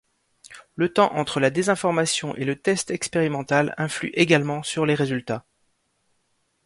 Le temps entre la désinformation et le test expérimental influe également sur les résultats.